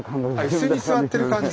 あ椅子に座ってる感じ。